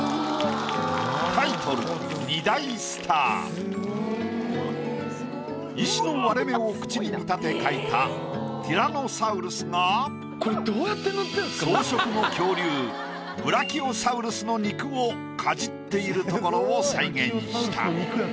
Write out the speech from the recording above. タイトル石の割れ目を口に見立て描いたティラノサウルスが草食の恐竜ブラキオサウルスの肉をかじっているところを再現した。